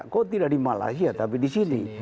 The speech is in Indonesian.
kok tidak di malaysia tapi di sini